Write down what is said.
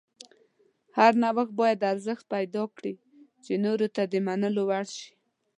هر نوښت باید ارزښت پیدا کړي چې نورو ته د منلو وړ شي.